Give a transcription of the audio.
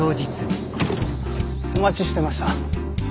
お待ちしてました。